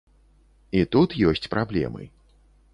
І тут ёсць праблемы.